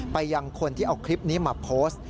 ไปยังคนที่เอาคลิปนี้มาโพสต์